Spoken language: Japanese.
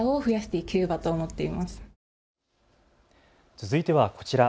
続いてはこちら。